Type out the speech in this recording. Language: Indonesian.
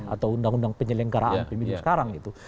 atau undang undang penyelenggaraan pemilu sekarang gitu